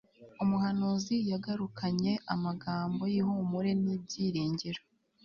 umuhanuzi yagarukanye amagambo y'ihumure n'ibyiringiro